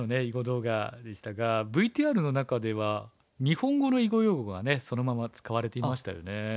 囲碁動画でしたがＶＴＲの中では日本語の囲碁用語がねそのまま使われていましたよね。